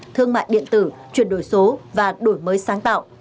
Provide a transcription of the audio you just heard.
thương mại điện tử chuyển đổi số và đổi mới sáng tạo